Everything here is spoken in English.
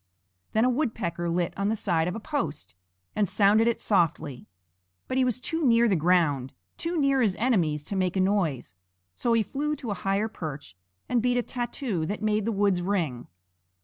Then a woodpecker lit on the side of a post, and sounded it softly. But he was too near the ground, too near his enemies to make a noise; so he flew to a higher perch and beat a tattoo that made the woods ring.